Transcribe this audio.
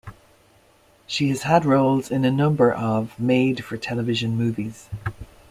She has had roles in a number of made-for-television movies.